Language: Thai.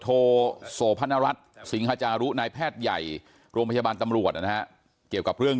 โทโสพนรัฐสิงหาจารุนายแพทย์ใหญ่โรงพยาบาลตำรวจนะฮะเกี่ยวกับเรื่อง